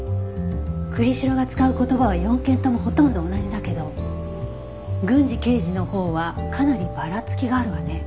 栗城が使う言葉は４件ともほとんど同じだけど郡司刑事のほうはかなりばらつきがあるわね。